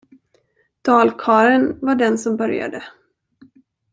Dalkarlen var den som började.